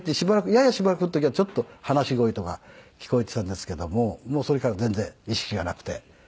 ややしばらくの時はちょっと話し声とか聞こえていたんですけどももうそれから全然意識がなくて。